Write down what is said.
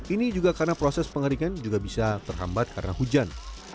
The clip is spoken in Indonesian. ini juga karena proses pengeringan juga bisa terhambat karena hujan